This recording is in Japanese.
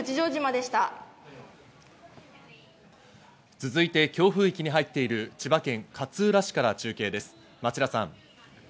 続いて強風域に入っている千葉県勝浦市からはい。